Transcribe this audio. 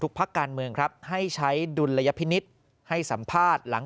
พักการเมืองครับให้ใช้ดุลยพินิษฐ์ให้สัมภาษณ์หลัง